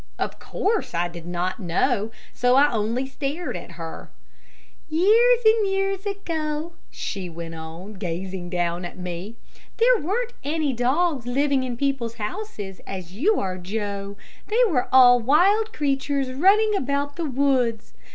Of course I did not know, so I only stared at her. "Years and years ago," she went on, gazing down at me, "there weren't any dogs living in people's houses, as you are, Joe. They were all wild creatures running about the woods.